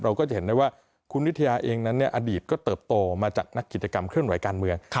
ก็จะเห็นได้ว่าคุณวิทยาเองนั้นอดีตก็เติบโตมาจากนักกิจกรรมเคลื่อนไหวการเมือง